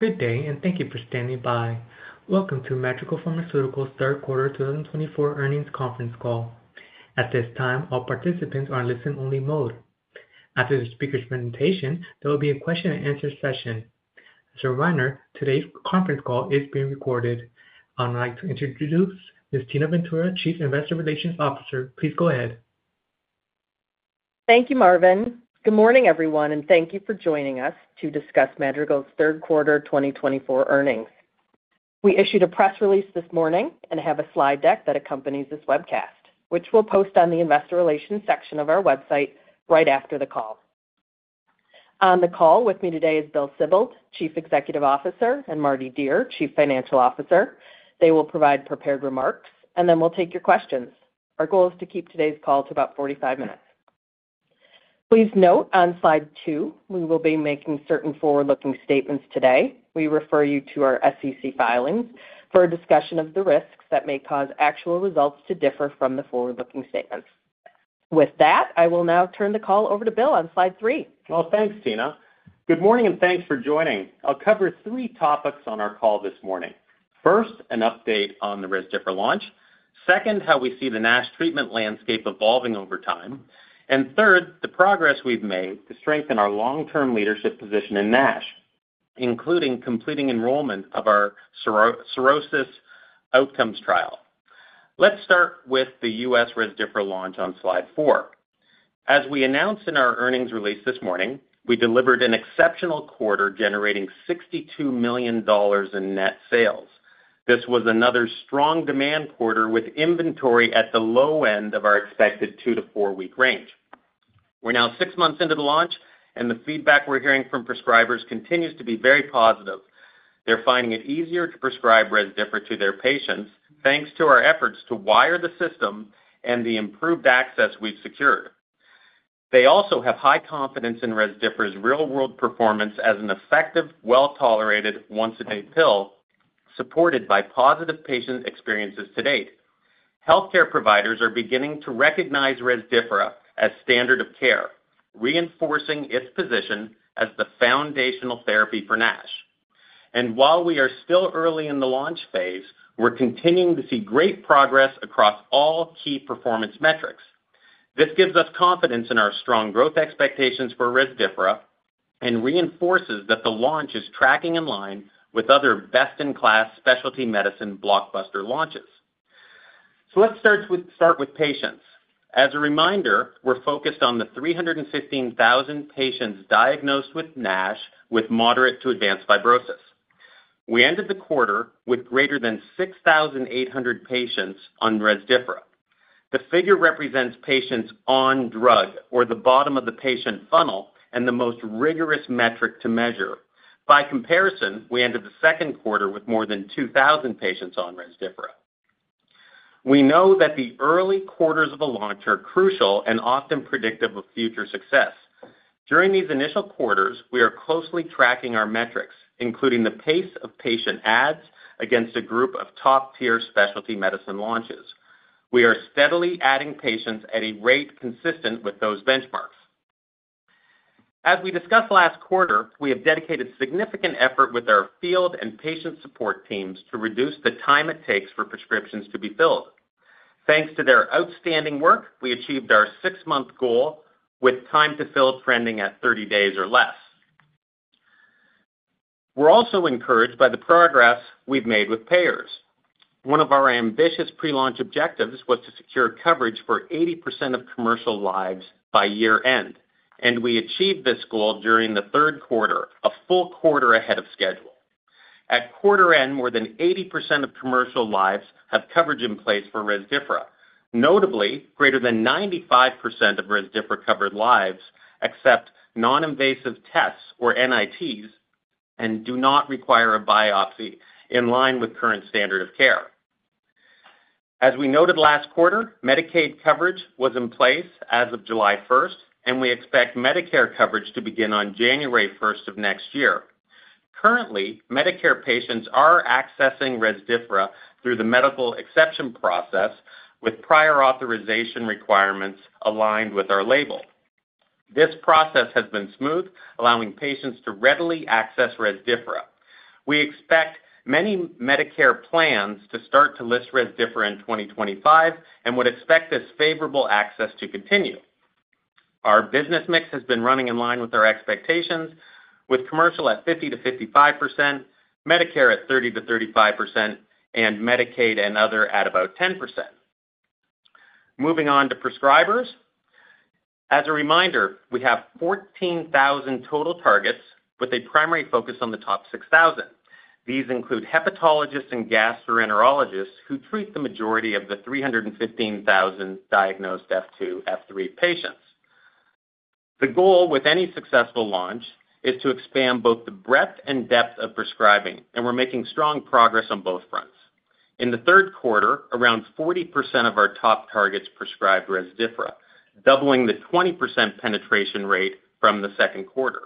Good day, and thank you for standing by. Welcome to Madrigal Pharmaceuticals' third quarter 2024 earnings conference call. At this time, all participants are in listen-only mode. After the speaker's presentation, there will be a question-and-answer session. Reminder, today's conference call is being recorded. I'd like to introduce Ms. Tina Ventura, Chief Investor Relations Officer. Please go ahead. Thank you, Marvin. Good morning, everyone, and thank you for joining us to discuss Madrigal's third quarter 2024 earnings. We issued a press release this morning and have a slide deck that accompanies this webcast, which we'll post on the Investor Relations section of our website right after the call. On the call with me today is Bill Sibold, Chief Executive Officer, and Mardi Dier, Chief Financial Officer. They will provide prepared remarks, and then we'll take your questions. Our goal is to keep today's call to about 45 minutes. Please note, on slide two, we will be making certain forward-looking statements today. We refer you to our SEC filings for a discussion of the risks that may cause actual results to differ from the forward-looking statements. With that, I will now turn the call over to Bill on slide three. Well, thanks, Tina. Good morning, and thanks for joining. I'll cover three topics on our call this morning. First, an update on the Rezdiffra launch. Second, how we see the NASH treatment landscape evolving over time. And third, the progress we've made to strengthen our long-term leadership position in NASH, including completing enrollment of our cirrhosis outcomes trial. Let's start with the U.S. Rezdiffra launch on slide four. As we announced in our earnings release this morning, we delivered an exceptional quarter generating $62 million in net sales. This was another strong demand quarter with inventory at the low end of our expected two- to four-week range. We're now six months into the launch, and the feedback we're hearing from prescribers continues to be very positive. They're finding it easier to prescribe Rezdiffra to their patients thanks to our efforts to wire the system and the improved access we've secured. They also have high confidence in Rezdiffra's real-world performance as an effective, well-tolerated once-a-day pill supported by positive patient experiences to date. Healthcare providers are beginning to recognize Rezdiffra as standard of care, reinforcing its position as the foundational therapy for NASH. And while we are still early in the launch phase, we're continuing to see great progress across all key performance metrics. This gives us confidence in our strong growth expectations for Rezdiffra and reinforces that the launch is tracking in line with other best-in-class specialty medicine blockbuster launches. So let's start with patients. As a reminder, we're focused on the 315,000 patients diagnosed with NASH with moderate to advanced fibrosis. We ended the quarter with greater than 6,800 patients on Rezdiffra. The figure represents patients on drug or the bottom of the patient funnel and the most rigorous metric to measure. By comparison, we ended the second quarter with more than 2,000 patients on Rezdiffra. We know that the early quarters of a launch are crucial and often predictive of future success. During these initial quarters, we are closely tracking our metrics, including the pace of patient adds against a group of top-tier specialty medicine launches. We are steadily adding patients at a rate consistent with those benchmarks. As we discussed last quarter, we have dedicated significant effort with our field and patient support teams to reduce the time it takes for prescriptions to be filled. Thanks to their outstanding work, we achieved our six-month goal with time to fill trending at 30 days or less. We're also encouraged by the progress we've made with payers. One of our ambitious pre-launch objectives was to secure coverage for 80% of commercial lives by year-end, and we achieved this goal during the third quarter, a full quarter ahead of schedule. At quarter-end, more than 80% of commercial lives have coverage in place for Rezdiffra, notably greater than 95% of Rezdiffra covered lives accept non-invasive tests or NITs and do not require a biopsy in line with current standard of care. As we noted last quarter, Medicaid coverage was in place as of July 1st, and we expect Medicare coverage to begin on January 1st of next year. Currently, Medicare patients are accessing Rezdiffra through the medical exception process with prior authorization requirements aligned with our label. This process has been smooth, allowing patients to readily access Rezdiffra. We expect many Medicare plans to start to list Rezdiffra in 2025 and would expect this favorable access to continue. Our business mix has been running in line with our expectations, with commercial at 50%-55%, Medicare at 30%-35%, and Medicaid and other at about 10%. Moving on to prescribers. As a reminder, we have 14,000 total targets with a primary focus on the top 6,000. These include hepatologists and gastroenterologists who treat the majority of the 315,000 diagnosed F2, F3 patients. The goal with any successful launch is to expand both the breadth and depth of prescribing, and we're making strong progress on both fronts. In the third quarter, around 40% of our top targets prescribed Rezdiffra, doubling the 20% penetration rate from the second quarter.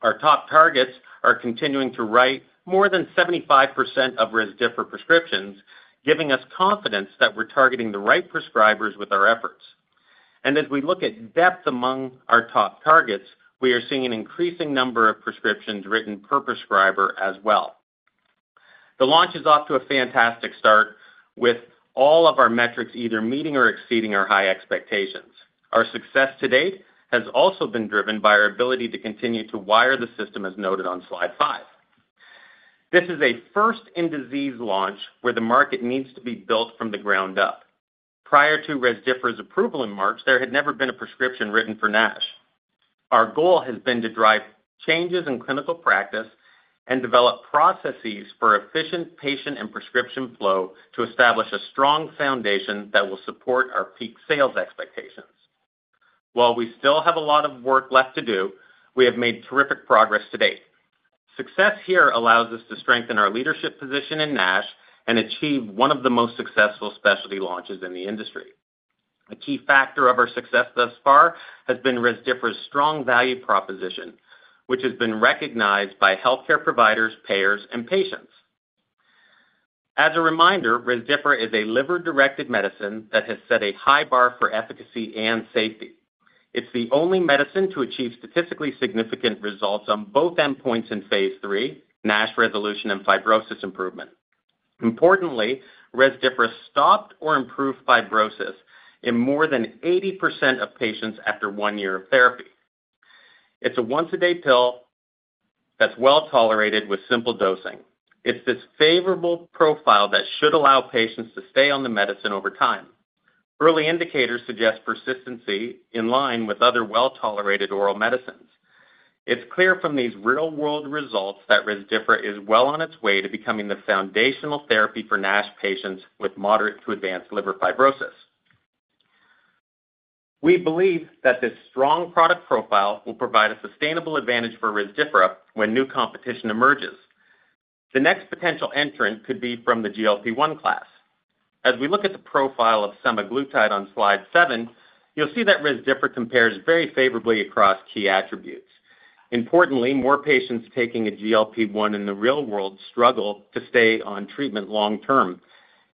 Our top targets are continuing to write more than 75% of Rezdiffra prescriptions, giving us confidence that we're targeting the right prescribers with our efforts. And as we look at depth among our top targets, we are seeing an increasing number of prescriptions written per prescriber as well. The launch is off to a fantastic start with all of our metrics either meeting or exceeding our high expectations. Our success to date has also been driven by our ability to continue to wire the system as noted on slide five. This is a first-in-disease launch where the market needs to be built from the ground up. Prior to Rezdiffra approval in March, there had never been a prescription written for NASH. Our goal has been to drive changes in clinical practice and develop processes for efficient patient and prescription flow to establish a strong foundation that will support our peak sales expectations. While we still have a lot of work left to do, we have made terrific progress to date. Success here allows us to strengthen our leadership position in NASH and achieve one of the most successful specialty launches in the industry. A key factor of our success thus far has been Rezdiffra's strong value proposition, which has been recognized by healthcare providers, payers, and patients. As a reminder, Rezdiffra is a liver-directed medicine that has set a high bar for efficacy and safety. It's the only medicine to achieve statistically significant results on both endpoints in phase III, NASH resolution and fibrosis improvement. Importantly, Rezdiffra stopped or improved fibrosis in more than 80% of patients after one year of therapy. It's a once-a-day pill that's well tolerated with simple dosing. It's this favorable profile that should allow patients to stay on the medicine over time. Early indicators suggest persistency in line with other well-tolerated oral medicines. It's clear from these real-world results that Rezdiffra is well on its way to becoming the foundational therapy for NASH patients with moderate to advanced liver fibrosis. We believe that this strong product profile will provide a sustainable advantage for Rezdiffra when new competition emerges. The next potential entrant could be from the GLP-1 class. As we look at the profile of semaglutide on slide seven, you'll see that Rezdiffra compares very favorably across key attributes. Importantly, more patients taking a GLP-1 in the real world struggle to stay on treatment long term.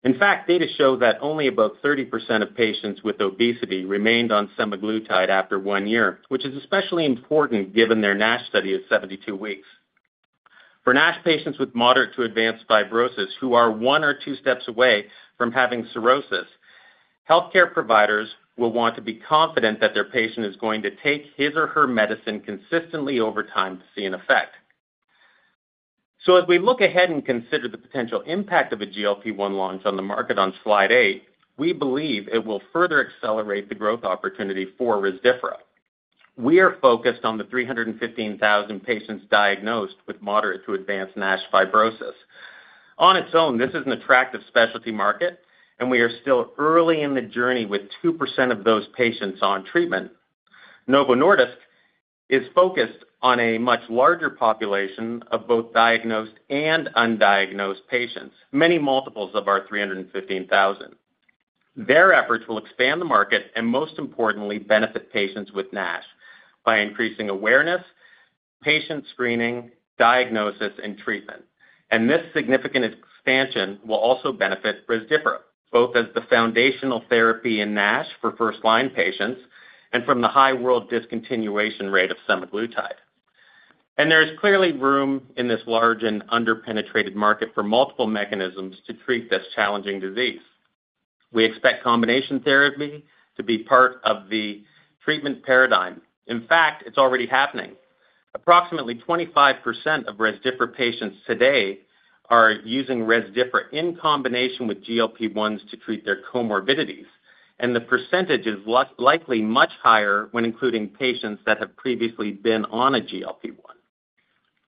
In fact, data show that only about 30% of patients with obesity remained on semaglutide after one year, which is especially important given their NASH study of 72 weeks. For NASH patients with moderate to advanced fibrosis who are one or two steps away from having cirrhosis, healthcare providers will want to be confident that their patient is going to take his or her medicine consistently over time to see an effect. So as we look ahead and consider the potential impact of a GLP-1 launch on the market on slide eight, we believe it will further accelerate the growth opportunity for Rezdiffra. We are focused on the 315,000 patients diagnosed with moderate to advanced NASH fibrosis. On its own, this is an attractive specialty market, and we are still early in the journey with 2% of those patients on treatment. Novo Nordisk is focused on a much larger population of both diagnosed and undiagnosed patients, many multiples of our 315,000. Their efforts will expand the market and, most importantly, benefit patients with NASH by increasing awareness, patient screening, diagnosis, and treatment. And this significant expansion will also benefit Rezdiffra both as the foundational therapy in NASH for first-line patients and from the high worldwide discontinuation rate of semaglutide. And there is clearly room in this large and under-penetrated market for multiple mechanisms to treat this challenging disease. We expect combination therapy to be part of the treatment paradigm. In fact, it's already happening. Approximately 25% of Rezdiffra patients today are using Rezdiffra in combination with GLP-1s to treat their comorbidities, and the percentage is likely much higher when including patients that have previously been on a GLP-1.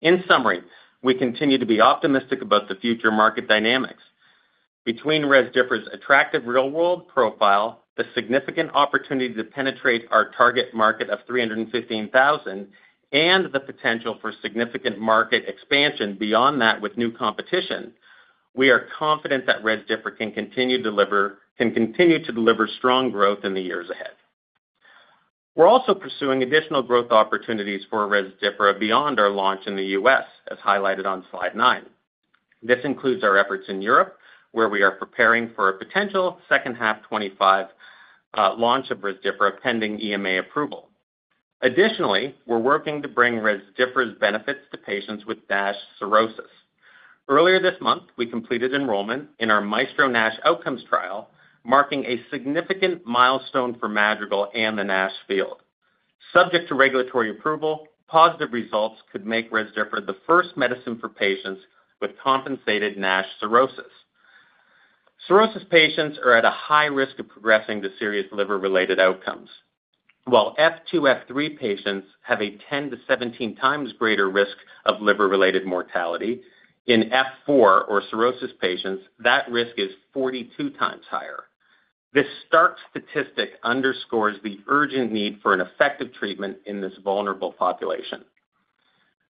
In summary, we continue to be optimistic about the future market dynamics. Between Rezdiffra's attractive real-world profile, the significant opportunity to penetrate our target market of 315,000, and the potential for significant market expansion beyond that with new competition, we are confident that Rezdiffra can continue to deliver strong growth in the years ahead. We're also pursuing additional growth opportunities for Rezdiffra beyond our launch in the U.S., as highlighted on slide nine. This includes our efforts in Europe, where we are preparing for a potential second half 2025 launch of Rezdiffra pending EMA approval. Additionally, we're working to bring Rezdiffra benefits to patients with NASH cirrhosis. Earlier this month, we completed enrollment in our MAESTRO-NASH Outcomes trial, marking a significant milestone for Madrigal and the NASH field. Subject to regulatory approval, positive results could make Rezdiffra the first medicine for patients with compensated NASH cirrhosis. Cirrhosis patients are at a high risk of progressing to serious liver-related outcomes. While F2, F3 patients have a 10-17 times greater risk of liver-related mortality, in F4 or cirrhosis patients, that risk is 42 times higher. This stark statistic underscores the urgent need for an effective treatment in this vulnerable population.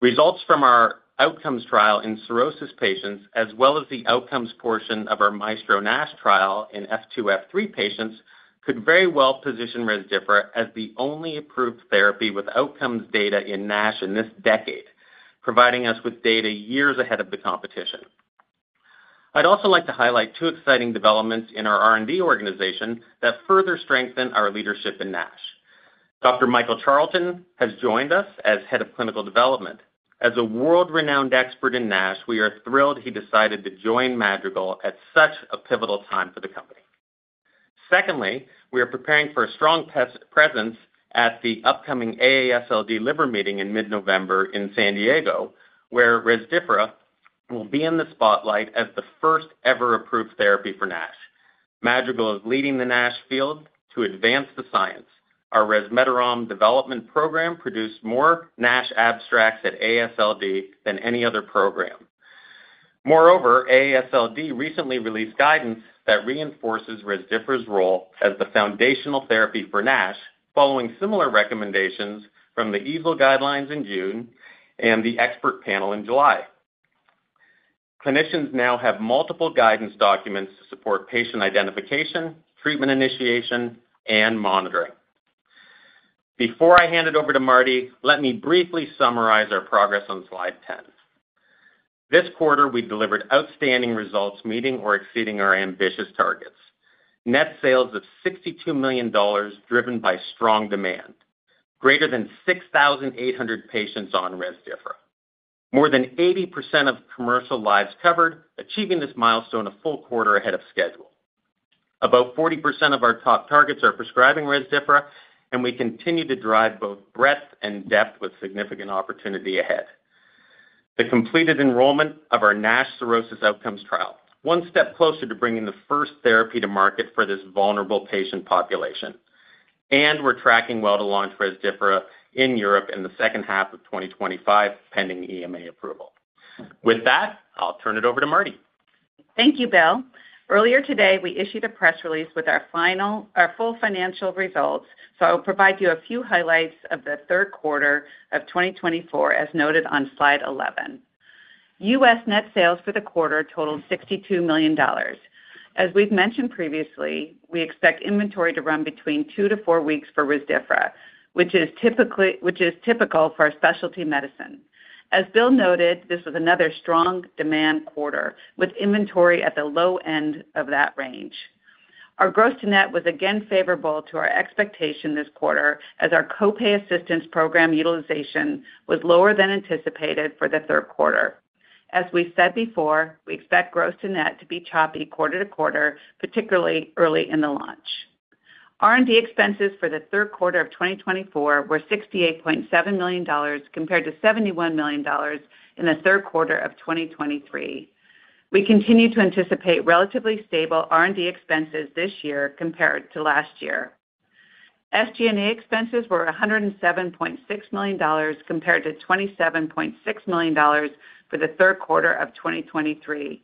Results from our outcomes trial in cirrhosis patients, as well as the outcomes portion of our MAESTRO-NASH trial in F2, F3 patients, could very well position Rezdiffra as the only approved therapy with outcomes data in NASH in this decade, providing us with data years ahead of the competition. I'd also like to highlight two exciting developments in our R&D organization that further strengthen our leadership in NASH. Dr. Michael Charlton has joined us as Head of Clinical Development. As a world-renowned expert in NASH, we are thrilled he decided to join Madrigal at such a pivotal time for the company. Secondly, we are preparing for a strong presence at the upcoming AASLD liver meeting in mid-November in San Diego, where Rezdiffra will be in the spotlight as the first ever approved therapy for NASH. Madrigal is leading the NASH field to advance the science. Our resmetirom development program produced more NASH abstracts at AASLD than any other program. Moreover, AASLD recently released guidance that reinforces Rezdiffra's role as the foundational therapy for NASH, following similar recommendations from the EASL guidelines in June and the expert panel in July. Clinicians now have multiple guidance documents to support patient identification, treatment initiation, and monitoring. Before I hand it over to Mardi, let me briefly summarize our progress on slide 10. This quarter, we delivered outstanding results, meeting or exceeding our ambitious targets. Net sales of $62 million driven by strong demand, greater than 6,800 patients on Rezdiffra. More than 80% of commercial lives covered, achieving this milestone a full quarter ahead of schedule. About 40% of our top targets are prescribing Rezdiffra, and we continue to drive both breadth and depth with significant opportunity ahead. The completed enrollment of our NASH cirrhosis outcomes trial, one step closer to bringing the first therapy to market for this vulnerable patient population, and we're tracking well to launch Rezdiffra in Europe in the second half of 2025, pending EMA approval. With that, I'll turn it over to Mardi. Thank you, Bill. Earlier today, we issued a press release with our final, our full financial results. So I'll provide you a few highlights of the third quarter of 2024, as noted on slide 11. U.S. net sales for the quarter totaled $62 million. As we've mentioned previously, we expect inventory to run between two to four weeks for Rezdiffra, which is typical for our specialty medicine. As Bill noted, this was another strong demand quarter with inventory at the low end of that range. Our gross-to-net was again favorable to our expectation this quarter, as our copay assistance program utilization was lower than anticipated for the third quarter. As we said before, we expect gross-to-net to be choppy quarter to quarter, particularly early in the launch. R&D expenses for the third quarter of 2024 were $68.7 million compared to $71 million in the third quarter of 2023. We continue to anticipate relatively stable R&D expenses this year compared to last year. SG&A expenses were $107.6 million compared to $27.6 million for the third quarter of 2023.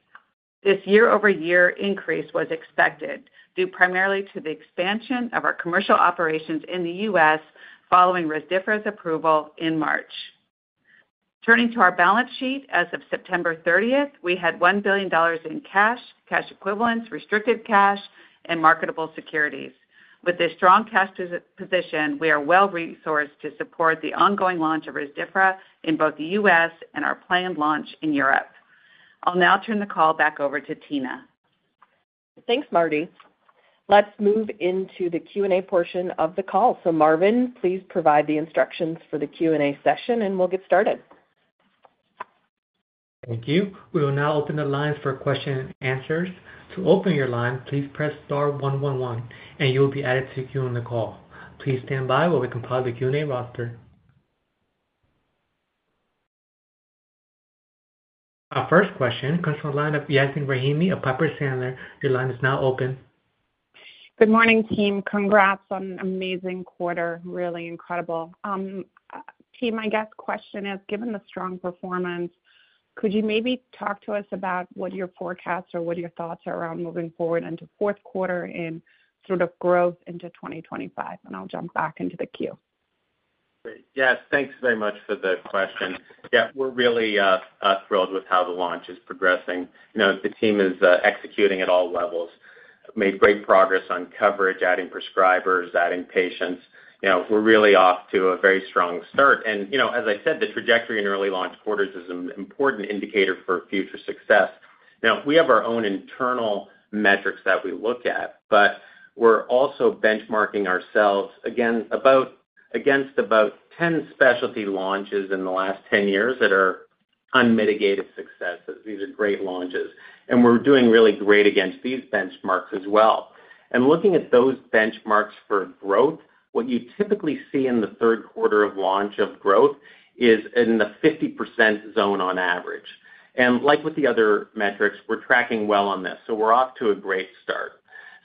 This year-over-year increase was expected due primarily to the expansion of our commercial operations in the U.S. following Rezdiffra approval in March. Turning to our balance sheet, as of September 30th, we had $1 billion in cash, cash equivalents, restricted cash, and marketable securities. With this strong cash position, we are well resourced to support the ongoing launch of Rezdiffra in both the U.S. and our planned launch in Europe. I'll now turn the call back over to Tina. Thanks, Mardi. Let's move into the Q&A portion of the call. So Marvin, please provide the instructions for the Q&A session, and we'll get started. Thank you. We will now open the lines for question and answers. To open your line, please press star one one one, and you'll be added to the queue on the call. Please stand by while we compile the Q&A roster. Our first question comes from the line of Yasmin Rahimi of Piper Sandler. Your line is now open. Good morning, team. Congrats on an amazing quarter. Really incredible. Team, my guest question is, given the strong performance, could you maybe talk to us about what your forecasts or what your thoughts are around moving forward into fourth quarter in sort of growth into 2025? And I'll jump back into the queue. Yes, thanks very much for the question. Yeah, we're really thrilled with how the launch is progressing. The team is executing at all levels. Made great progress on coverage, adding prescribers, adding patients. We're really off to a very strong start. As I said, the trajectory in early launch quarters is an important indicator for future success. Now, we have our own internal metrics that we look at, but we're also benchmarking ourselves against about 10 specialty launches in the last 10 years that are unmitigated successes. These are great launches, and we're doing really great against these benchmarks as well. Looking at those benchmarks for growth, what you typically see in the third quarter of launch of growth is in the 50% zone on average. Like with the other metrics, we're tracking well on this. So we're off to a great start.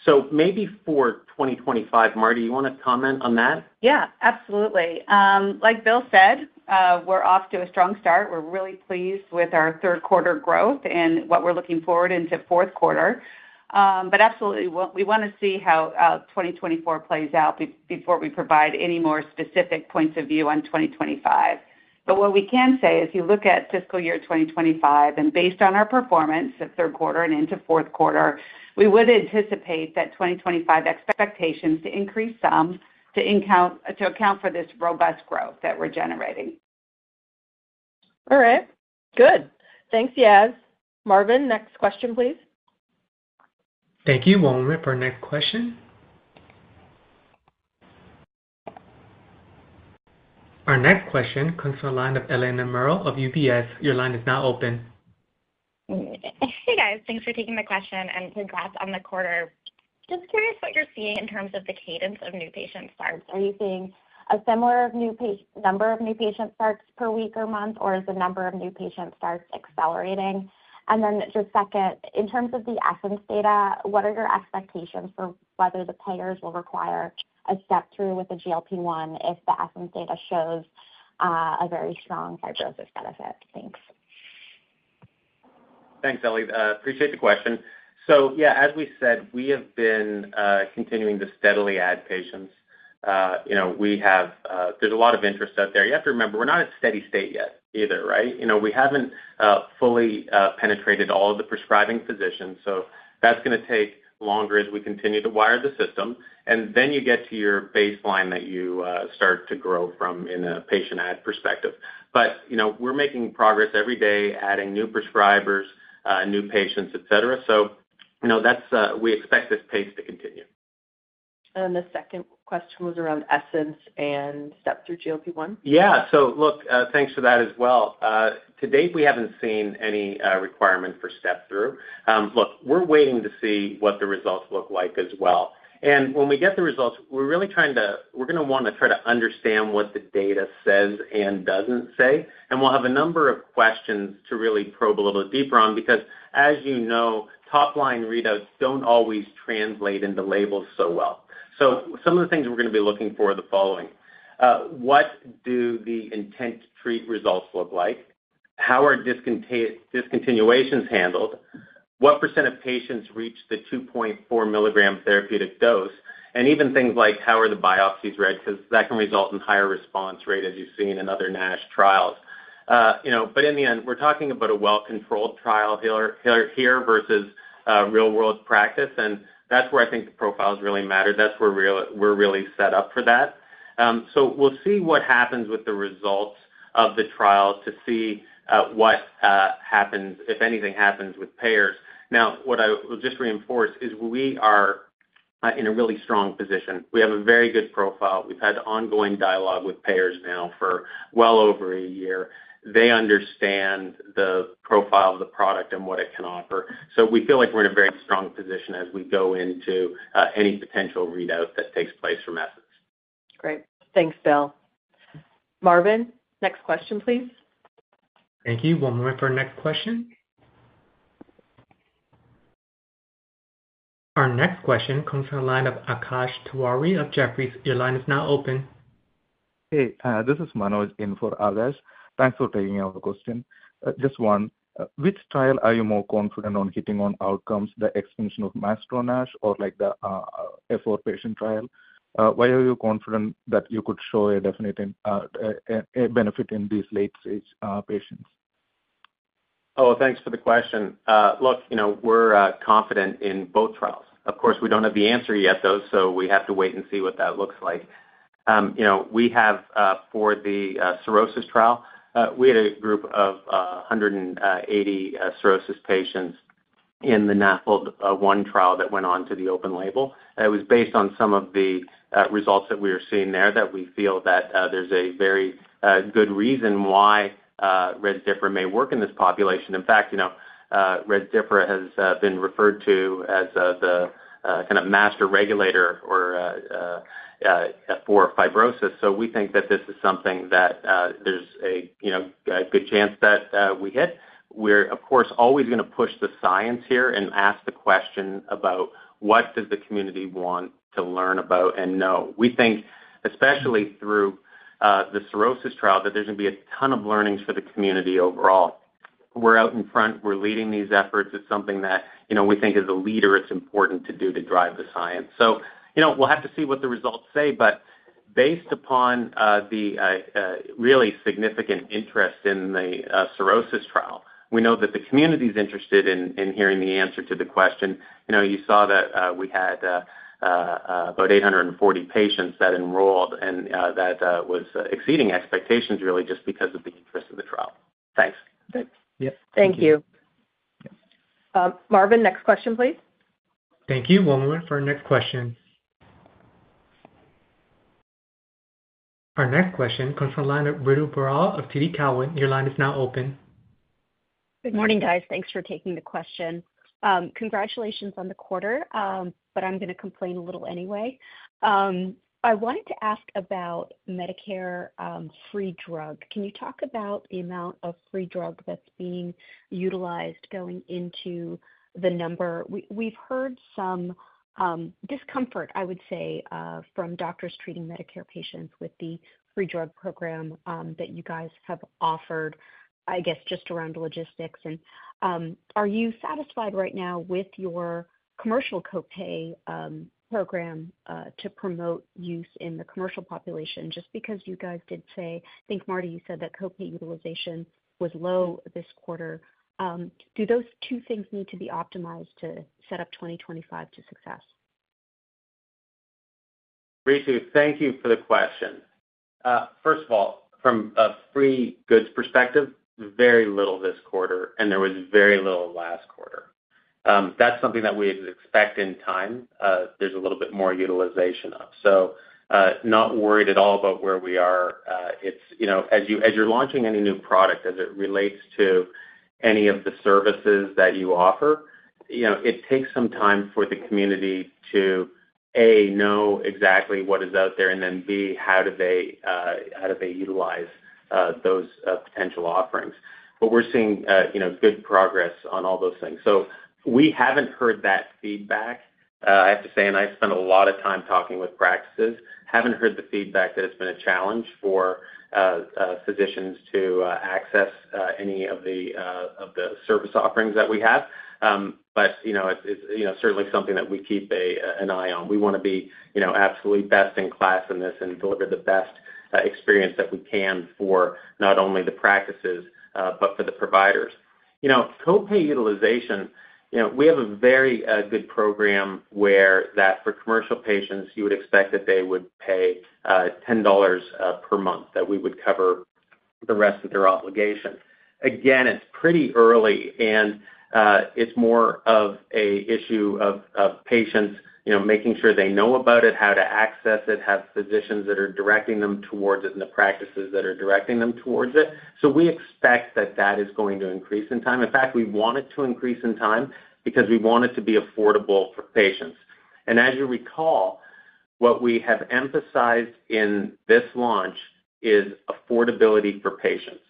So maybe for 2025, Mardi, you want to comment on that? Yeah, absolutely. Like Bill said, we're off to a strong start. We're really pleased with our third quarter growth and what we're looking forward into fourth quarter. But absolutely, we want to see how 2024 plays out before we provide any more specific points of view on 2025. But what we can say is you look at fiscal year 2025, and based on our performance of third quarter and into fourth quarter, we would anticipate that 2025 expectations to increase some to account for this robust growth that we're generating. All right. Good. Thanks, Yaz. Marvin, next question, please. Thank you. One moment for our next question. Our next question comes from the line of Eliana Merle of UBS. Your line is now open. Hey, guys. Thanks for taking the question, and congrats on the quarter. Just curious what you're seeing in terms of the cadence of new patient starts. Are you seeing a similar number of new patient starts per week or month, or is the number of new patient starts accelerating? And then just second, in terms of the ESSENCE data, what are your expectations for whether the payers will require a step through with the GLP-1 if the ESSENCE data shows a very strong fibrosis benefit? Thanks. Thanks, Ellie. Appreciate the question. So yeah, as we said, we have been continuing to steadily add patients. There's a lot of interest out there. You have to remember, we're not at steady state yet either, right? We haven't fully penetrated all of the prescribing physicians. So that's going to take longer as we continue to wire the system. And then you get to your baseline that you start to grow from in a patient add perspective. But we're making progress every day, adding new prescribers, new patients, etc. So we expect this pace to continue. And the second question was around ESSENCE and step through GLP-1? Yeah. So look, thanks for that as well. To date, we haven't seen any requirement for step through. Look, we're waiting to see what the results look like as well. And when we get the results, we're going to want to try to understand what the data says and doesn't say. And we'll have a number of questions to really probe a little deeper on because, as you know, top-line readouts don't always translate into labels so well. So some of the things we're going to be looking for are the following: What do the intent-to-treat results look like? How are discontinuations handled? What percent of patients reach the 2.4 milligram therapeutic dose? And even things like, how are the biopsies read? Because that can result in a higher response rate, as you've seen in other NASH trials. But in the end, we're talking about a well-controlled trial here versus real-world practice. And that's where I think the profiles really matter. That's where we're really set up for that. So we'll see what happens with the results of the trial to see what happens, if anything happens, with payers. Now, what I will just reinforce is we are in a really strong position. We have a very good profile. We've had ongoing dialogue with payers now for well over a year. They understand the profile of the product and what it can offer. So we feel like we're in a very strong position as we go into any potential readout that takes place from ESSENCE. Great. Thanks, Bill. Marvin, next question, please. Thank you. One moment for our next question. Our next question comes from the line of Akash Tewari of Jefferies. Your line is now open. Hey, this is Manoj in for Akash. Thanks for taking our question. Just one, which trial are you more confident on hitting on outcomes, the expansion of MAESTRO-NASH or the F4 patient trial? Why are you confident that you could show a definite benefit in these late-stage patients? Oh, thanks for the question. Look, we're confident in both trials. Of course, we don't have the answer yet, though, so we have to wait and see what that looks like. We have, for the cirrhosis trial, we had a group of 180 cirrhosis patients in the NAFLD-1 trial that went on to the open label. It was based on some of the results that we were seeing there that we feel that there's a very good reason why Rezdiffra may work in this population. In fact, Rezdiffra has been referred to as the kind of master regulator for fibrosis. So we think that this is something that there's a good chance that we hit. We're, of course, always going to push the science here and ask the question about what does the community want to learn about and know. We think, especially through the cirrhosis trial, that there's going to be a ton of learnings for the community overall. We're out in front. We're leading these efforts. It's something that we think, as a leader, it's important to do to drive the science. So we'll have to see what the results say. But based upon the really significant interest in the cirrhosis trial, we know that the community is interested in hearing the answer to the question. You saw that we had about 840 patients that enrolled, and that was exceeding expectations, really, just because of the interest of the trial. Thanks. Thank you. Marvin, next question, please. Thank you. One moment for our next question. Our next question comes from the line of Ritu Baral of TD Cowen. Your line is now open. Good morning, guys. Thanks for taking the question. Congratulations on the quarter, but I'm going to complain a little anyway. I wanted to ask about Medicare free drug. Can you talk about the amount of free drug that's being utilized going into the number? We've heard some discomfort, I would say, from doctors treating Medicare patients with the free drug program that you guys have offered, I guess, just around logistics. And are you satisfied right now with your commercial copay program to promote use in the commercial population? Just because you guys did say, I think, Mardi, you said that copay utilization was low this quarter. Do those two things need to be optimized to set up 2025 to success? Thank you for the question. First of all, from a free goods perspective, very little this quarter, and there was very little last quarter. That's something that we expect in time. There's a little bit more utilization of. So not worried at all about where we are. As you're launching any new product, as it relates to any of the services that you offer, it takes some time for the community to, A, know exactly what is out there, and then, B, how do they utilize those potential offerings? But we're seeing good progress on all those things. So we haven't heard that feedback, I have to say, and I spent a lot of time talking with practices. Haven't heard the feedback that it's been a challenge for physicians to access any of the service offerings that we have. But it's certainly something that we keep an eye on. We want to be absolutely best in class in this and deliver the best experience that we can for not only the practices, but for the providers. Copay utilization, we have a very good program where that for commercial patients, you would expect that they would pay $10 per month, that we would cover the rest of their obligation. Again, it's pretty early, and it's more of an issue of patients making sure they know about it, how to access it, have physicians that are directing them towards it, and the practices that are directing them towards it. So we expect that that is going to increase in time. In fact, we want it to increase in time because we want it to be affordable for patients. And as you recall, what we have emphasized in this launch is affordability for patients.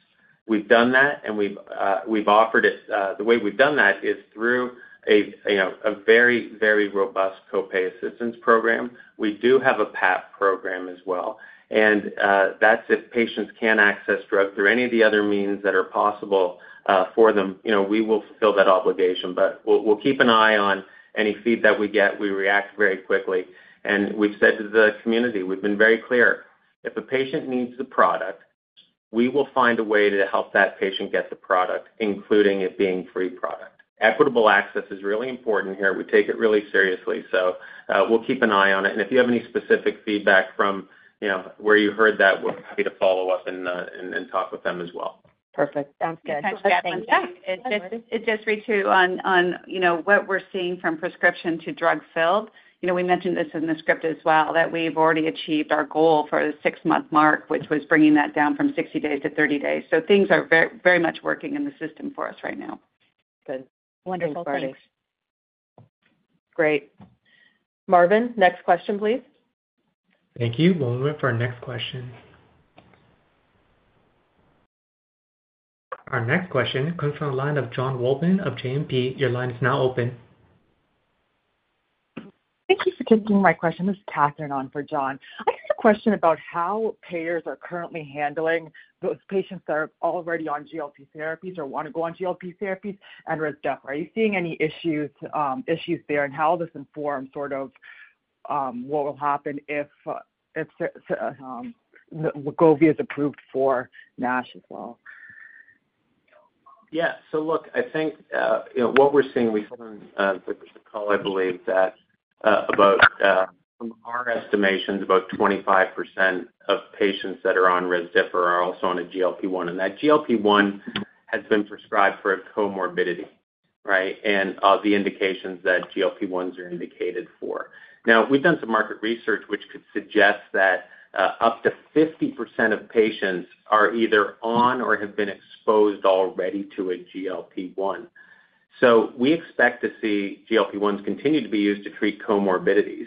We've done that, and we've offered it. The way we've done that is through a very, very robust copay assistance program. We do have a PAP program as well. And that's if patients can access drugs through any of the other means that are possible for them, we will fulfill that obligation. But we'll keep an eye on any feedback that we get. We react very quickly. And we've said to the community, we've been very clear, if a patient needs the product, we will find a way to help that patient get the product, including it being free product. Equitable access is really important here. We take it really seriously. So we'll keep an eye on it. And if you have any specific feedback from where you heard that, we're happy to follow up and talk with them as well. Perfect. Sounds good. Thank you. It just reached you on what we're seeing from prescription to drug filled. We mentioned this in the script as well, that we've already achieved our goal for the six-month mark, which was bringing that down from 60 days to 30 days. So things are very much working in the system for us right now. Good. Wonderful. Thanks. Great. Marvin, next question, please. Thank you. One moment for our next question. Our next question comes from the line of Jon Wolleben of JMP Securities. Your line is now open. Thank you for taking my question. This is Catherine on for Jon. I have a question about how payers are currently handling those patients that are already on GLP therapies or want to go on GLP therapies and Rezdiffra. Are you seeing any issues there, and how will this inform sort of what will happen if Wegovy is approved for NASH as well? Yeah. So look, I think what we're seeing, we saw on the call, I believe, that from our estimations, about 25% of patients that are on Rezdiffra are also on a GLP-1. And that GLP-1 has been prescribed for a comorbidity, right, and the indications that GLP-1s are indicated for. Now, we've done some market research, which could suggest that up to 50% of patients are either on or have been exposed already to a GLP-1. So we expect to see GLP-1s continue to be used to treat comorbidities.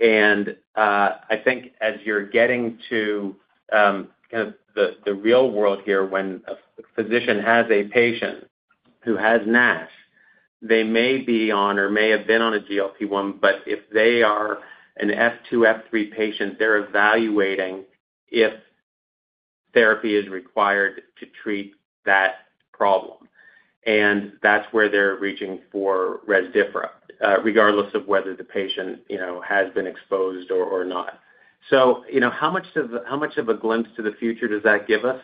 And I think as you're getting to kind of the real world here, when a physician has a patient who has NASH, they may be on or may have been on a GLP-1, but if they are an F2, F3 patient, they're evaluating if therapy is required to treat that problem. And that's where they're reaching for Rezdiffra, regardless of whether the patient has been exposed or not. So how much of a glimpse to the future does that give us?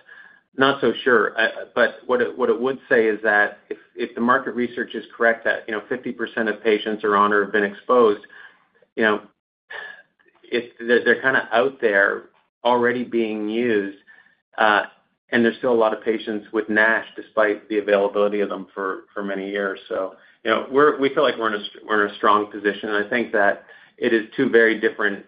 Not so sure. But what it would say is that if the market research is correct, that 50% of patients are on or have been exposed, they're kind of out there already being used, and there's still a lot of patients with NASH despite the availability of them for many years. So we feel like we're in a strong position. And I think that it is two very different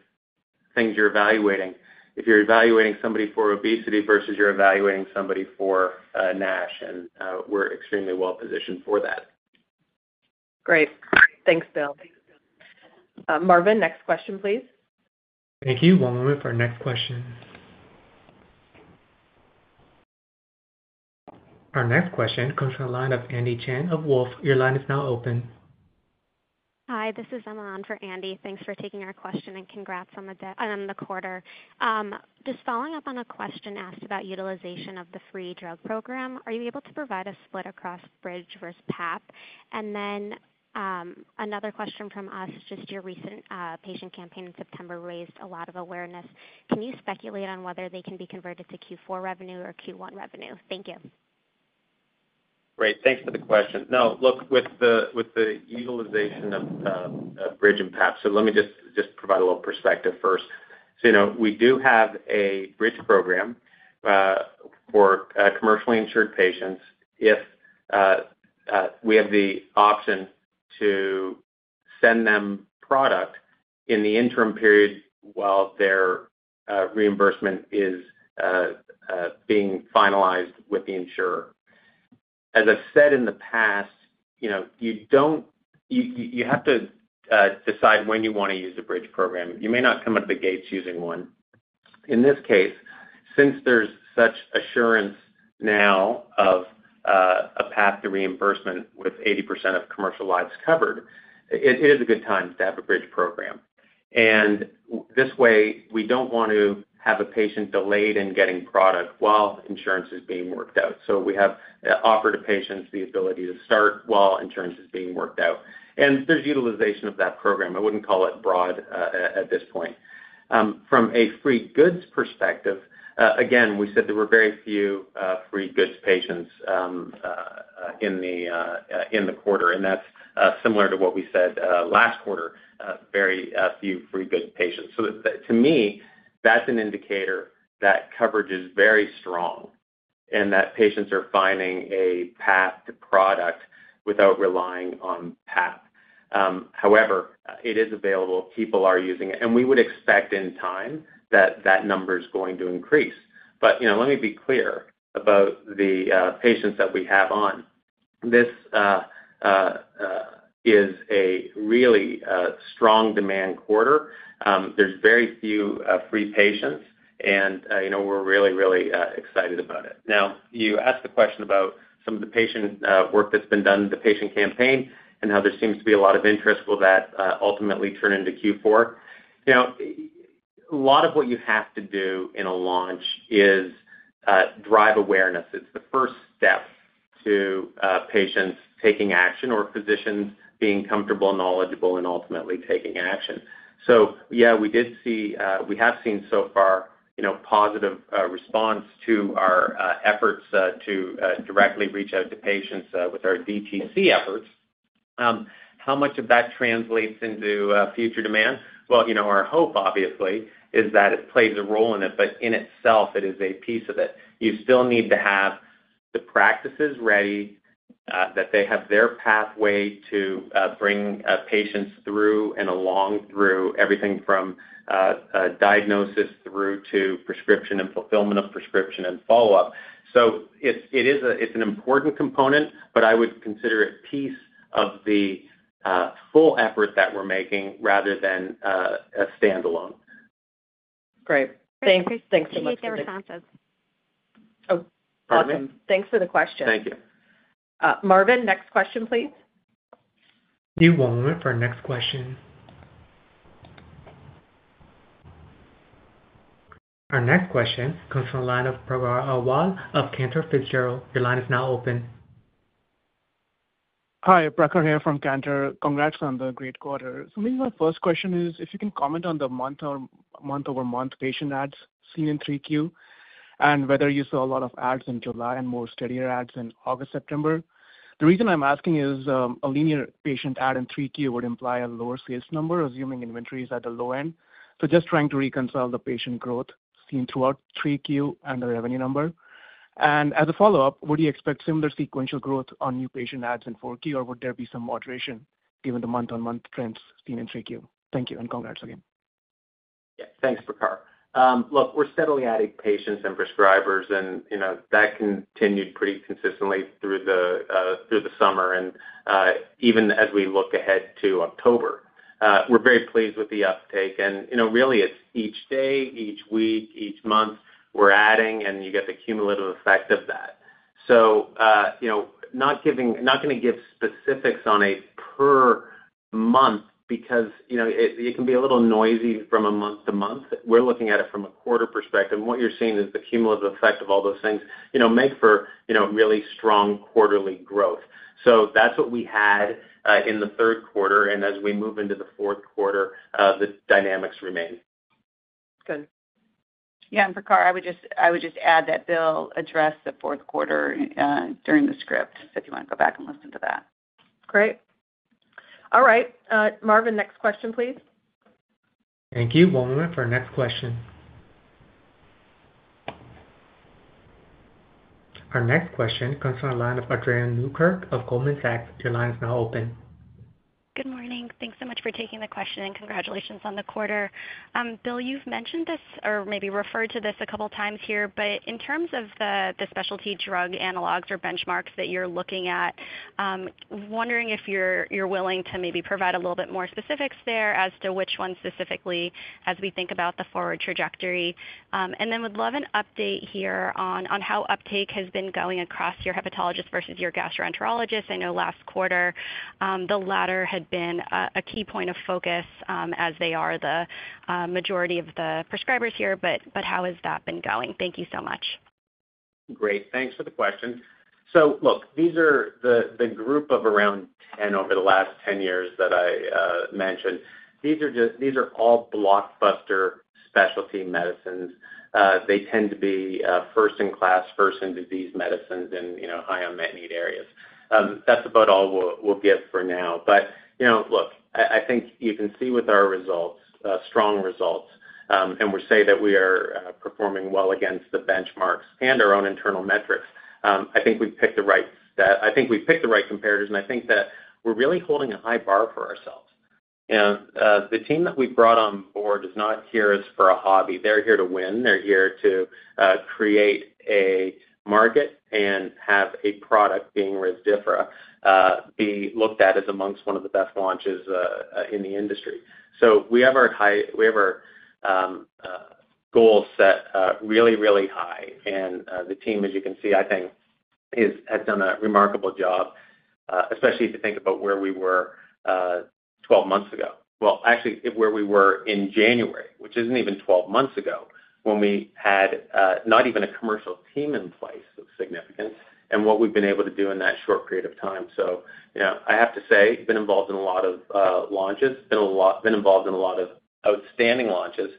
things you're evaluating. If you're evaluating somebody for obesity versus you're evaluating somebody for NASH, and we're extremely well-positioned for that. Great. Thanks, Bill. Marvin, next question, please. Thank you. One moment for our next question. Our next question comes from the line of Andy Chan of Wolfe. Your line is now open. Hi. This is Emma on for Andy. Thanks for taking our question and congrats on the quarter. Just following up on a question asked about utilization of the free drug program, are you able to provide a split across bridge versus PAP? And then another question from us, just your recent patient campaign in September raised a lot of awareness. Can you speculate on whether they can be converted to Q4 revenue or Q1 revenue? Thank you. Great. Thanks for the question. No. Look, with the utilization of bridge and PAP, so let me just provide a little perspective first. So we do have a bridge program for commercially insured patients if we have the option to send them product in the interim period while their reimbursement is being finalized with the insurer. As I've said in the past, you have to decide when you want to use the bridge program. You may not come out of the gates using one. In this case, since there's such assurance now of a path to reimbursement with 80% of commercial lives covered, it is a good time to have a bridge program. And this way, we don't want to have a patient delayed in getting product while insurance is being worked out. So we have offered patients the ability to start while insurance is being worked out. And there's utilization of that program. I wouldn't call it broad at this point. From a free goods perspective, again, we said there were very few free goods patients in the quarter. And that's similar to what we said last quarter, very few free goods patients. So to me, that's an indicator that coverage is very strong and that patients are finding a path to product without relying on PAP. However, it is available. People are using it. And we would expect in time that that number is going to increase. But let me be clear about the patients that we have on. This is a really strong demand quarter. There's very few free patients, and we're really, really excited about it. Now, you asked the question about some of the patient work that's been done, the patient campaign, and how there seems to be a lot of interest. Will that ultimately turn into Q4? A lot of what you have to do in a launch is drive awareness. It's the first step to patients taking action or physicians being comfortable, knowledgeable, and ultimately taking action. So yeah, we have seen so far positive response to our efforts to directly reach out to patients with our DTC efforts. How much of that translates into future demand? Well, our hope, obviously, is that it plays a role in it, but in itself, it is a piece of it. You still need to have the practices ready, that they have their pathway to bring patients through and along through everything from diagnosis through to prescription and fulfillment of prescription and follow-up. So it's an important component, but I would consider it a piece of the full effort that we're making rather than a standalone. Great. Thanks so much. Thank you, Catherine. Thank you, Cantor Fitzgerald. Awesome. Thanks for the question. Thank you. Marvin, next question, please. Thank you. One moment for our next question. Our next question comes from the line of Prakhar of Cantor Fitzgerald. Your line is now open. Hi, Prakhar here from Cantor. Congrats on the great quarter. So maybe my first question is if you can comment on the month-over-month patient adds seen in 3Q and whether you saw a lot of adds in July and more steadier adds in August, September. The reason I'm asking is a linear patient add in 3Q would imply a lower sales number, assuming inventory is at the low end. So just trying to reconcile the patient growth seen throughout 3Q and the revenue number. And as a follow-up, would you expect similar sequential growth on new patient adds in 4Q, or would there be some moderation given the month-on-month trends seen in 3Q? Thank you, and congrats again. Yeah. Thanks, Prakhar. Look, we're steadily adding patients and prescribers, and that continued pretty consistently through the summer and even as we look ahead to October. We're very pleased with the uptake. Really, it's each day, each week, each month we're adding, and you get the cumulative effect of that. Not going to give specifics on a per month because it can be a little noisy from a month to month. We're looking at it from a quarter perspective. What you're seeing is the cumulative effect of all those things make for really strong quarterly growth. That's what we had in the third quarter. As we move into the fourth quarter, the dynamics remain. Good. Yeah. Prakhar, I would just add that they'll address the fourth quarter during the script. So if you want to go back and listen to that. Great. All right. Marvin, next question, please. Thank you. One moment for our next question. Our next question comes from the line of Andrea Tan of Goldman Sachs. Your line is now open. Good morning. Thanks so much for taking the question, and congratulations on the quarter. Bill, you've mentioned this or maybe referred to this a couple of times here, but in terms of the specialty drug analogs or benchmarks that you're looking at, wondering if you're willing to maybe provide a little bit more specifics there as to which one specifically as we think about the forward trajectory. And then would love an update here on how uptake has been going across your hepatologist versus your gastroenterologist. I know last quarter, the latter had been a key point of focus as they are the majority of the prescribers here, but how has that been going? Thank you so much. Great. Thanks for the question. So look, these are the group of around 10 over the last 10 years that I mentioned. These are all blockbuster specialty medicines. They tend to be first-in-class, first-in-disease medicines in high unmet need areas. That's about all we'll give for now, but look, I think you can see with our results, strong results, and we say that we are performing well against the benchmarks and our own internal metrics. I think we've picked the right competitors, and I think that we're really holding a high bar for ourselves, and the team that we brought on board is not here for a hobby. They're here to win. They're here to create a market and have a product being Rezdiffra be looked at as amongst one of the best launches in the industry. So we have our goal set really, really high. And the team, as you can see, I think, has done a remarkable job, especially if you think about where we were 12 months ago. Well, actually, where we were in January, which isn't even 12 months ago when we had not even a commercial team in place of significance and what we've been able to do in that short period of time. So I have to say, been involved in a lot of launches, been involved in a lot of outstanding launches.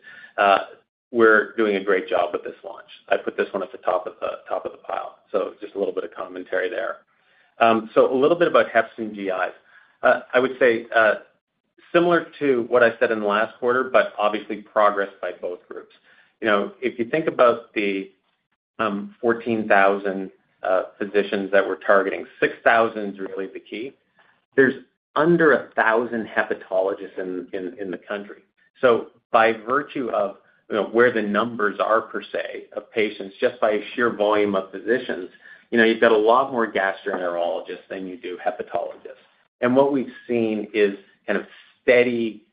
We're doing a great job with this launch. I put this one at the top of the pile. So just a little bit of commentary there. A little bit about hepatologists and GIs. I would say similar to what I said in the last quarter, but obviously progress by both groups. If you think about the 14,000 physicians that we're targeting, 6,000 is really the key. There's under 1,000 hepatologists in the country. So by virtue of where the numbers are per se of patients, just by a sheer volume of physicians, you've got a lot more gastroenterologists than you do hepatologists. And what we've seen is kind of steady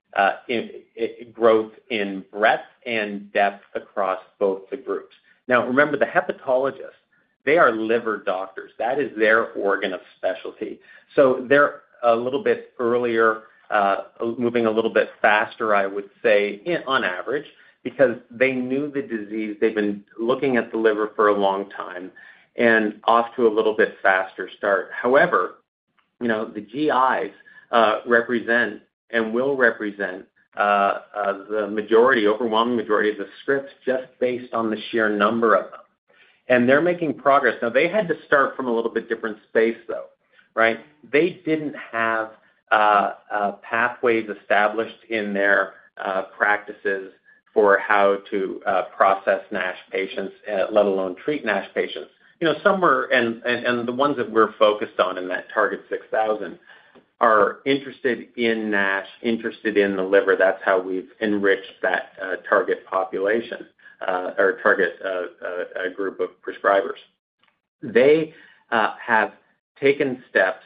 growth in breadth and depth across both the groups. Now, remember, the hepatologists, they are liver doctors. That is their organ of specialty. So they're a little bit earlier, moving a little bit faster, I would say, on average, because they knew the disease. They've been looking at the liver for a long time and off to a little bit faster start. However, the GIs represent and will represent the majority, overwhelming majority of the scripts just based on the sheer number of them, and they're making progress. Now, they had to start from a little bit different space, though, right? They didn't have pathways established in their practices for how to process NASH patients, let alone treat NASH patients, and the ones that we're focused on in that target 6,000 are interested in NASH, interested in the liver. That's how we've enriched that target population or target group of prescribers. They have taken steps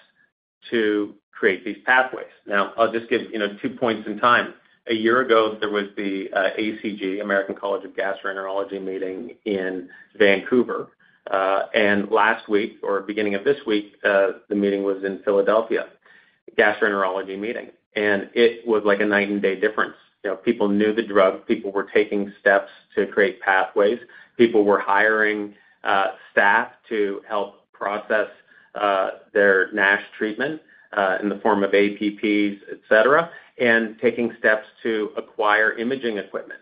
to create these pathways. Now, I'll just give two points in time. A year ago, there was the ACG, American College of Gastroenterology meeting in Vancouver, and last week or beginning of this week, the meeting was in Philadelphia, a gastroenterology meeting, and it was like a night and day difference. People knew the drug. People were taking steps to create pathways. People were hiring staff to help process their NASH treatment in the form of APPs, etc., and taking steps to acquire imaging equipment.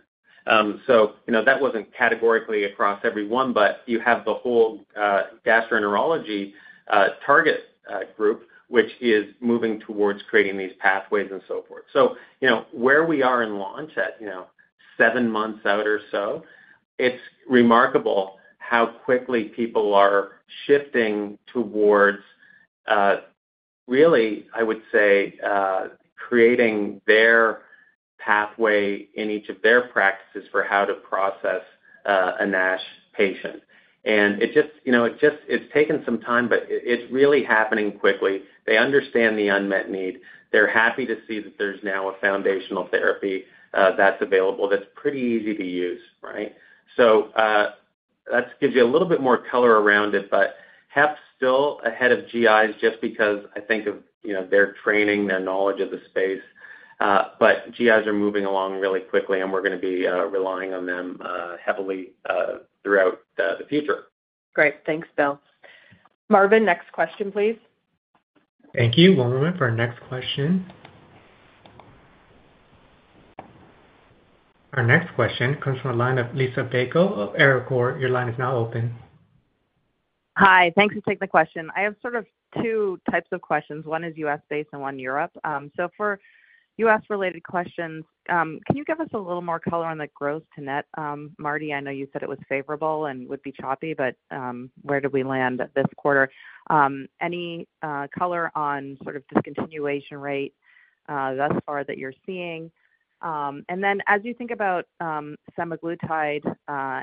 So that wasn't categorically across everyone, but you have the whole gastroenterology target group, which is moving towards creating these pathways and so forth. So where we are in launch at seven months out or so, it's remarkable how quickly people are shifting towards really, I would say, creating their pathway in each of their practices for how to process a NASH patient. And it's taken some time, but it's really happening quickly. They understand the unmet need. They're happy to see that there's now a foundational therapy that's available that's pretty easy to use, right? So that gives you a little bit more color around it, but heps still ahead of GIs just because I think of their training, their knowledge of the space. But GIs are moving along really quickly, and we're going to be relying on them heavily throughout the future. Great. Thanks, Bill. Marvin, next question, please. Thank you. One moment for our next question. Our next question comes from the line of Liisa Bayko of Evercore ISI. Your line is now open. Hi. Thanks for taking the question. I have sort of two types of questions. One is U.S.-based and one Europe. So for U.S.-related questions, can you give us a little more color on the gross-to-net? Mardi, I know you said it was favorable and would be choppy, but where did we land this quarter? Any color on sort of discontinuation rate thus far that you're seeing? And then as you think about semaglutide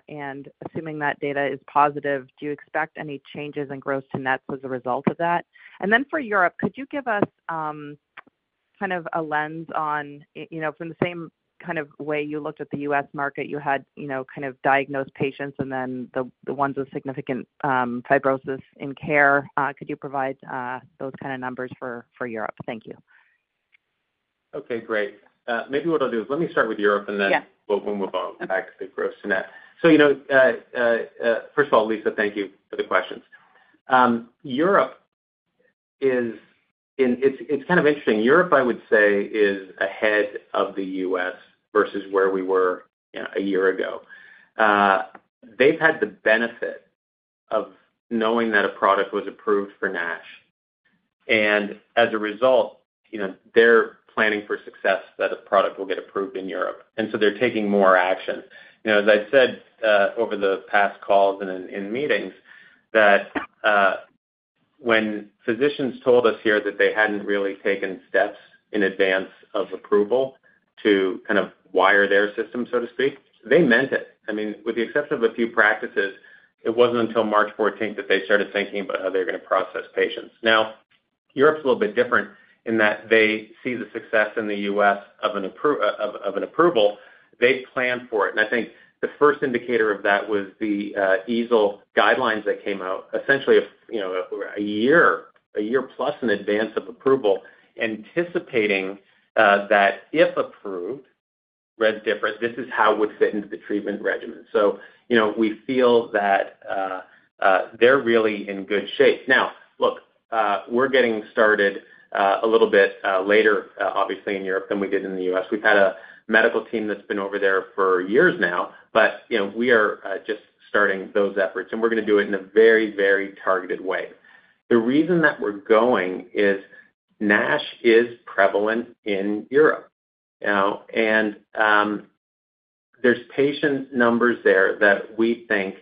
and assuming that data is positive, do you expect any changes in gross-to-net as a result of that? And then for Europe, could you give us kind of a lens on from the same kind of way you looked at the U.S. market, you had kind of diagnosed patients and then the ones with significant fibrosis in care? Could you provide those kind of numbers for Europe? Thank you. Okay. Great. Maybe what I'll do is let me start with Europe and then we'll move on back to the gross-to-net. So first of all, Lisa, thank you for the questions. Europe, it's kind of interesting. Europe, I would say, is ahead of the U.S. versus where we were a year ago. They've had the benefit of knowing that a product was approved for NASH. And as a result, they're planning for success that a product will get approved in Europe. And so they're taking more action. As I've said over the past calls and in meetings, that when physicians told us here that they hadn't really taken steps in advance of approval to kind of wire their system, so to speak, they meant it. I mean, with the exception of a few practices, it wasn't until March 14th that they started thinking about how they're going to process patients. Now, Europe's a little bit different in that they see the success in the U.S. of an approval. They plan for it. And I think the first indicator of that was the EASL guidelines that came out essentially a year plus in advance of approval, anticipating that if approved, Rezdiffra, this is how it would fit into the treatment regimen. So we feel that they're really in good shape. Now, look, we're getting started a little bit later, obviously, in Europe than we did in the U.S. We've had a medical team that's been over there for years now, but we are just starting those efforts. And we're going to do it in a very, very targeted way. The reason that we're going is NASH is prevalent in Europe. And there's patient numbers there that we think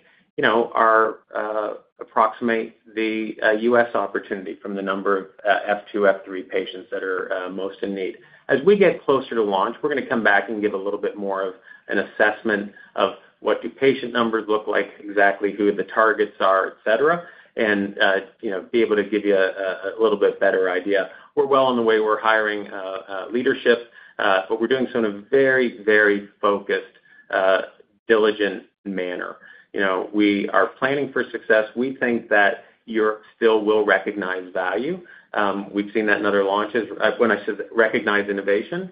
approximate the U.S. opportunity from the number of F2, F3 patients that are most in need. As we get closer to launch, we're going to come back and give a little bit more of an assessment of what do patient numbers look like, exactly who the targets are, etc., and be able to give you a little bit better idea. We're well on the way. We're hiring leadership, but we're doing so in a very, very focused, diligent manner. We are planning for success. We think that Europe still will recognize value. We've seen that in other launches. When I said recognize innovation,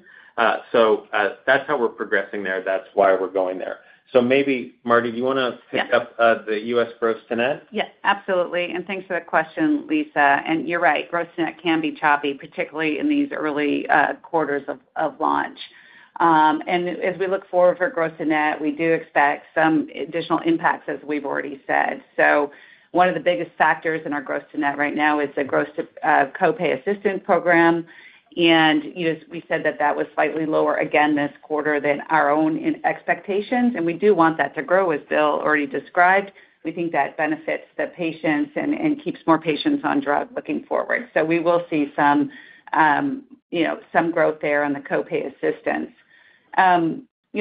so that's how we're progressing there. That's why we're going there. So maybe, Mardi, do you want to pick up the U.S. gross-to-net? Yeah. Absolutely. And thanks for that question, Lisa. And you're right. Gross-to-net can be choppy, particularly in these early quarters of launch. And as we look forward to gross-to-net, we do expect some additional impacts, as we've already said. So one of the biggest factors in our gross-to-net right now is the gross-to co-pay assistance program. And we said that that was slightly lower again this quarter than our own expectations. We do want that to grow, as Bill already described. We think that benefits the patients and keeps more patients on drug looking forward. We will see some growth there on the co-pay assistance.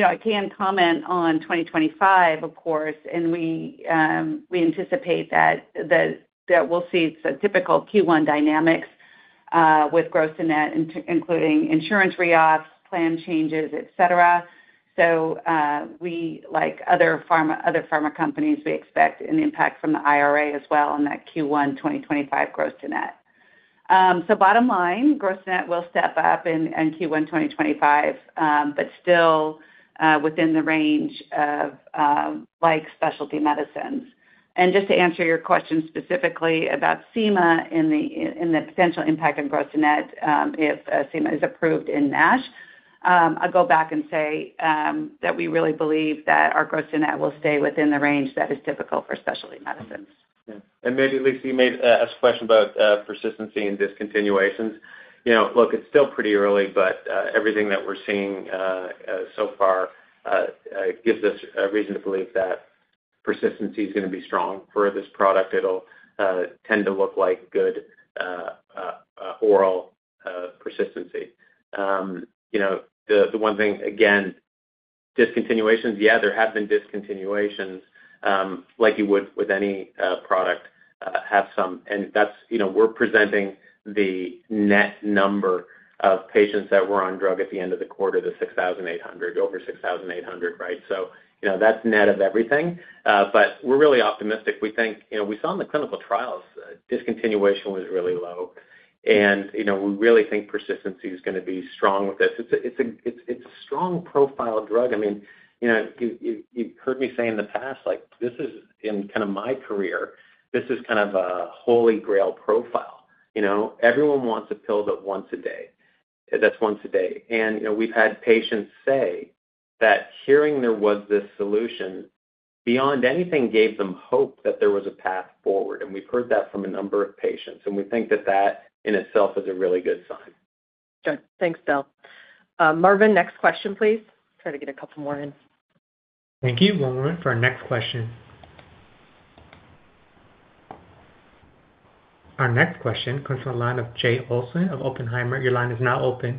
I can comment on 2025, of course, and we anticipate that we'll see the typical Q1 dynamics with gross-to-net, including insurance re-auths, plan changes, etc. Like other pharma companies, we expect an impact from the IRA as well on that Q1 2025 gross-to-net. Bottom line, gross-to-net will step up in Q1 2025, but still within the range of specialty medicines. Just to answer your question specifically about semaglutide and the potential impact of gross-to-net if semaglutide is approved in NASH, I'll go back and say that we really believe that our gross-to-net will stay within the range that is typical for specialty medicines. Maybe, Liisa, you made a question about persistency and discontinuations. Look, it's still pretty early, but everything that we're seeing so far gives us a reason to believe that persistency is going to be strong for this product. It'll tend to look like good oral persistency. The one thing, again, discontinuations, yeah, there have been discontinuations like you would with any product have some. We're presenting the net number of patients that were on drug at the end of the quarter, the 6,800, over 6,800, right? So that's net of everything. We're really optimistic. We think we saw in the clinical trials, discontinuation was really low. And we really think persistency is going to be strong with this. It's a strong profile drug. I mean, you've heard me say in the past, like this is in kind of my career, this is kind of a holy grail profile. Everyone wants a pill that once a day. That's once a day. And we've had patients say that hearing there was this solution, beyond anything, gave them hope that there was a path forward. And we've heard that from a number of patients. And we think that that in itself is a really good sign. Thanks, Bill. Marvin, next question, please. Try to get a couple more in. Thank you. One moment for our next question. Our next question comes from the line of Jay Olson of Oppenheimer. Your line is now open.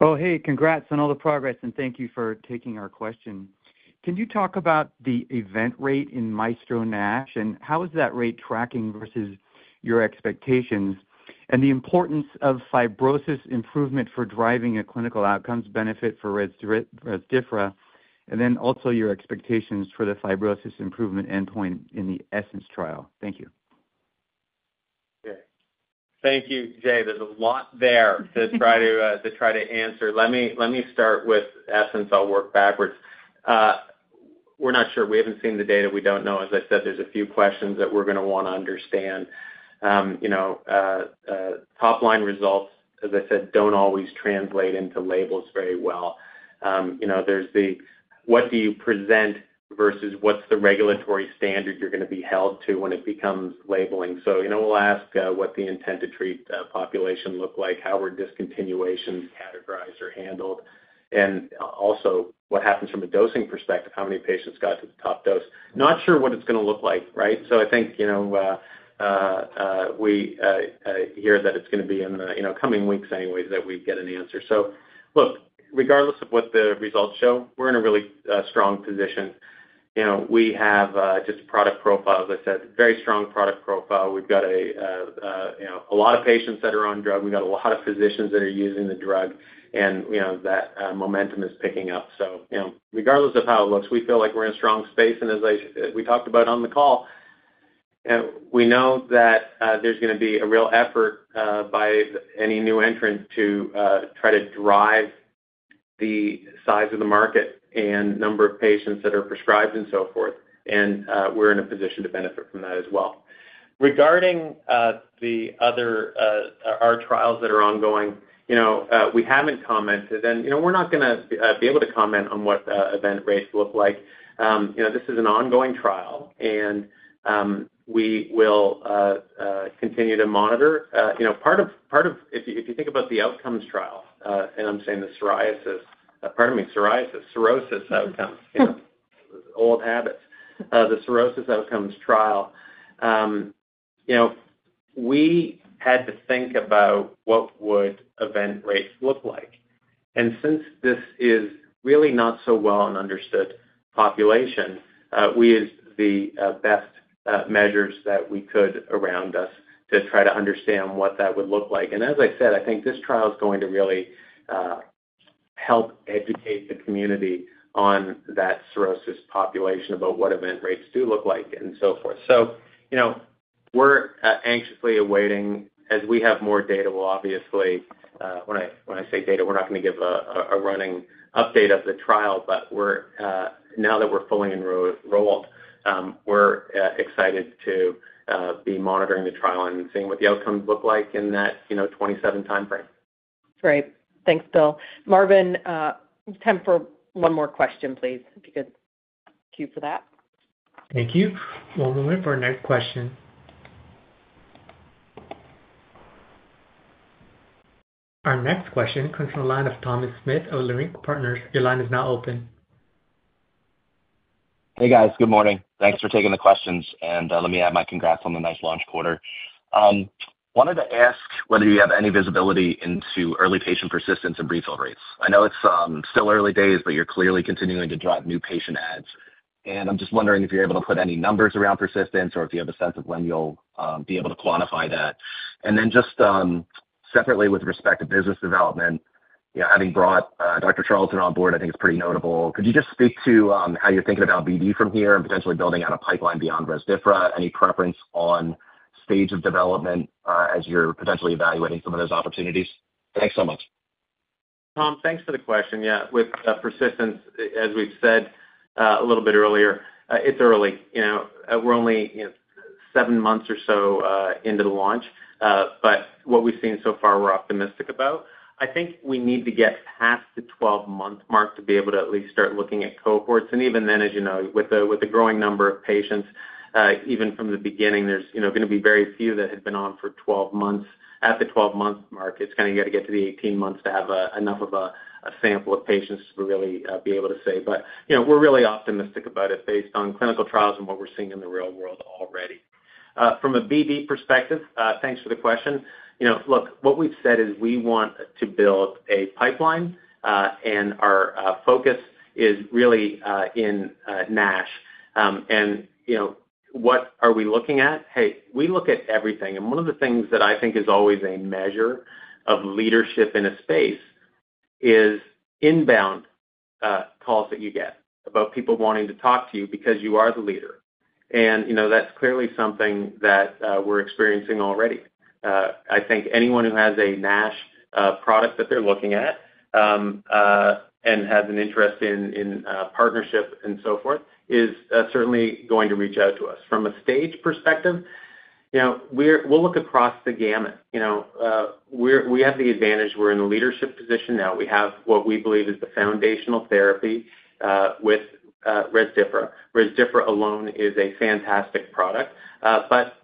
Oh, hey, congrats on all the progress and thank you for taking our question. Can you talk about the event rate in MAESTRO-NASH, and how is that rate tracking versus your expectations, and the importance of fibrosis improvement for driving a clinical outcomes benefit for Rezdiffra, and then also your expectations for the fibrosis improvement endpoint in the ESSENCE trial? Thank you. Okay. Thank you, Jay. There's a lot there to try to answer. Let me start with ESSENCE. I'll work backwards. We're not sure. We haven't seen the data. We don't know. As I said, there's a few questions that we're going to want to understand. Top-line results, as I said, don't always translate into labels very well. There's the what do you present versus what's the regulatory standard you're going to be held to when it becomes labeling. We'll ask what the intended treated population look like, how were discontinuations categorized or handled, and also what happens from a dosing perspective, how many patients got to the top dose. Not sure what it's going to look like, right? So I think we hear that it's going to be in the coming weeks anyways that we get an answer. So look, regardless of what the results show, we're in a really strong position. We have just a product profile, as I said, very strong product profile. We've got a lot of patients that are on drug. We've got a lot of physicians that are using the drug, and that momentum is picking up. So regardless of how it looks, we feel like we're in a strong space. And as we talked about on the call, we know that there's going to be a real effort by any new entrant to try to drive the size of the market and number of patients that are prescribed and so forth. And we're in a position to benefit from that as well. Regarding the other trials that are ongoing, we haven't commented. And we're not going to be able to comment on what event rates look like. This is an ongoing trial, and we will continue to monitor. Part of if you think about the outcomes trial, and I'm saying the cirrhosis, pardon me, cirrhosis, old habits, the cirrhosis outcomes trial, we had to think about what would event rates look like. And since this is really not so well an understood population, we used the best measures that we could around us to try to understand what that would look like. And as I said, I think this trial is going to really help educate the community on that cirrhosis population about what event rates do look like and so forth. So we're anxiously awaiting. As we have more data, we'll obviously, when I say data, we're not going to give a running update of the trial, but now that we're fully enrolled, we're excited to be monitoring the trial and seeing what the outcomes look like in that 27 time frame. Great. Thanks, Bill. Marvin, time for one more question, please, if you could queue for that. Thank you. One moment for our next question. Our next question comes from the line of Thomas Smith of Leerink Partners. Your line is now open. Hey, guys. Good morning. Thanks for taking the questions, and let me add my congrats on the nice launch quarter. Wanted to ask whether you have any visibility into early patient persistence and refill rates. I know it's still early days, but you're clearly continuing to drive new patient adds, and I'm just wondering if you're able to put any numbers around persistence or if you have a sense of when you'll be able to quantify that, and then just separately, with respect to business development, having brought Dr. Charlton on board, I think it's pretty notable. Could you just speak to how you're thinking about BD from here and potentially building out a pipeline beyond Rezdiffra? Any preference on stage of development as you're potentially evaluating some of those opportunities? Thanks so much. Tom, thanks for the question. Yeah. With persistence, as we've said a little bit earlier, it's early. We're only seven months or so into the launch. But what we've seen so far, we're optimistic about. I think we need to get past the 12-month mark to be able to at least start looking at cohorts. And even then, as you know, with the growing number of patients, even from the beginning, there's going to be very few that had been on for 12 months. At the 12-month mark, it's kind of got to get to the 18 months to have enough of a sample of patients to really be able to say. But we're really optimistic about it based on clinical trials and what we're seeing in the real world already. From a BD perspective, thanks for the question. Look, what we've said is we want to build a pipeline, and our focus is really in NASH. And what are we looking at? Hey, we look at everything. And one of the things that I think is always a measure of leadership in a space is inbound calls that you get about people wanting to talk to you because you are the leader. And that's clearly something that we're experiencing already. I think anyone who has a NASH product that they're looking at and has an interest in partnership and so forth is certainly going to reach out to us. From a stage perspective, we'll look across the gamut. We have the advantage. We're in a leadership position now. We have what we believe is the foundational therapy with Rezdiffra. Rezdiffra alone is a fantastic product. But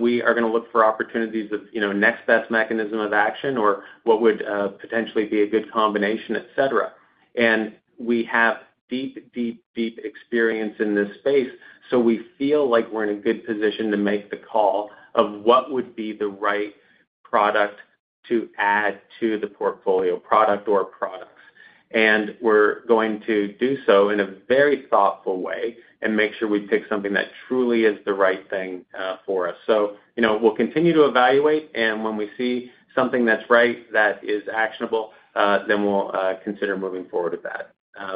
we are going to look for opportunities of next best mechanism of action or what would potentially be a good combination, etc. And we have deep, deep, deep experience in this space. So we feel like we're in a good position to make the call of what would be the right product to add to the portfolio, product or products. And we're going to do so in a very thoughtful way and make sure we pick something that truly is the right thing for us. So we'll continue to evaluate. And when we see something that's right, that is actionable, then we'll consider moving forward with that.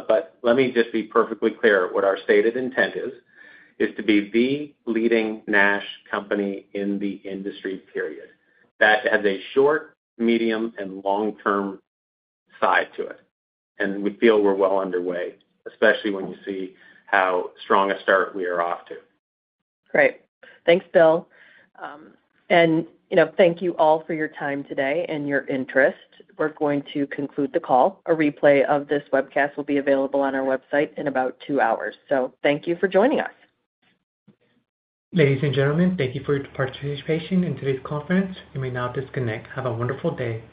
But let me just be perfectly clear what our stated intent is: to be the leading NASH company in the industry, period. That has a short, medium, and long-term side to it. And we feel we're well underway, especially when you see how strong a start we are off to. Great. Thanks, Bill. And thank you all for your time today and your interest. We're going to conclude the call. A replay of this webcast will be available on our website in about two hours. So thank you for joining us. Ladies and gentlemen, thank you for your participation in today's conference. You may now disconnect. Have a wonderful day.